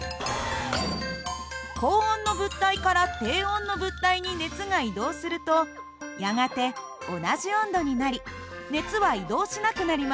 高温の物体から低温の物体に熱が移動するとやがて同じ温度になり熱は移動しなくなります。